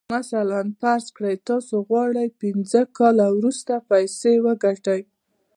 مثلاً فرض کړئ چې تاسې غواړئ پينځه کاله وروسته پيسې وګټئ.